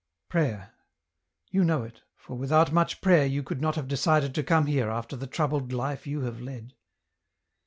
" Prayer ?— you know it, for without much prayer you could not have decided to come here after the troubled life you had led."